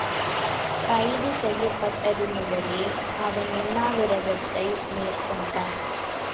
கைது செய்யப்பட்டது முதலே அவன் உண்ணாவிரதத்தை மேற்கொண்டான்.